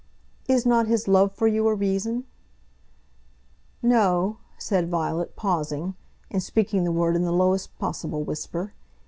"Is not his love for you a reason?" "No," said Violet, pausing, and speaking the word in the lowest possible whisper.